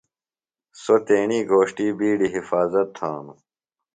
سوۡ تیݨی گھوݜٹی بِیڈیۡ حفاظت تھانوۡ۔